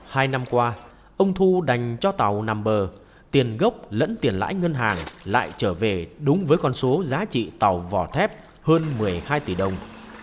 hai năm qua ông thu đành cho tàu nằm bờ tiền gốc lẫn tiền lãi ngân hàng lại trở về đúng với con số giá trị tàu vỏ thép hơn một mươi hai tỷ đồng